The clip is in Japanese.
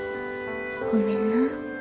ごめんな。